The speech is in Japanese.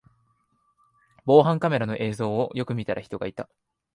防犯カメラの映像をよく見たら人がいた